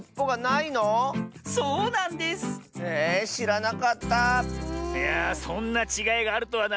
いやあそんなちがいがあるとはな。